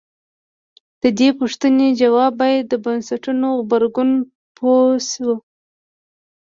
د دې پوښتنې ځواب باید د بنسټونو غبرګون پوه شو.